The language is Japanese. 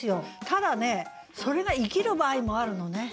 ただねそれが生きる場合もあるのね。